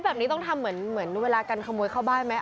แบบนี้ต้องทำเหมือนเวลาการขโมยเข้าบ้านไหม